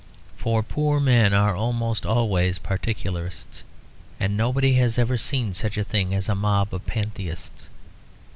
For poor men are almost always particularists; and nobody has ever seen such a thing as a mob of pantheists.